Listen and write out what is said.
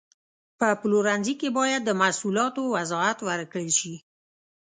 په پلورنځي کې باید د محصولاتو وضاحت ورکړل شي.